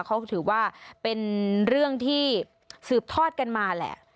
เขาถือว่าเป็นเรื่องที่สืบทอดกันมาแหละ